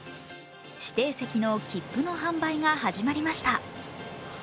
指定席の切符の販売が始まりました。